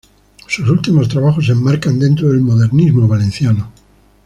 Sus últimos trabajos se enmarcan dentro del modernismo valenciano.